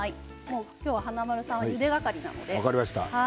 今日は華丸さんはゆで係なので。